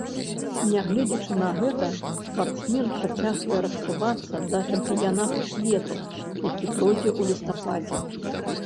Нягледзячы на гэта, спартсмен працягвае рыхтавацца да чэмпіянату свету, які пройдзе ў лістападзе.